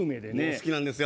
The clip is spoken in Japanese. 好きなんですよ